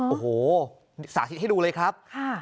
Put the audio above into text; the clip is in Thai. โอ้โหสาธิตให้ดูเลยครับ